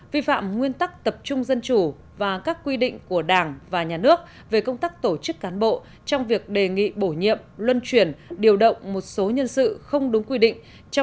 vi phạm nguyên tắc tập trung dân chủ và các quy định của đảng và nhà nước về công tác tổ chức cán bộ trong việc đề nghị bổ nhiệm luân chuyển điều động một số nhân sự không đúng quy định